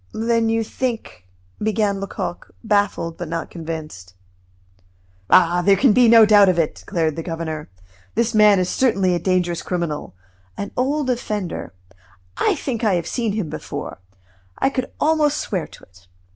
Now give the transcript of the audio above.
"Then you think " began Lecoq, baffled but not convinced. "Ah! there can be no doubt of it," declared the governor. "This man is certainly a dangerous criminal an old offender I think I have seen him before I could almost swear to it."